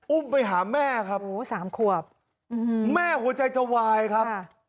อุ้มไปหาแม่ครับสามขวบแม่หัวใจจะวายครับ